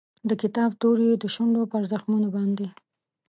د کتاب توري یې د شونډو پر زخمونو باندې